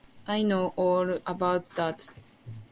“I know all about that, Tom,” said the old gentleman.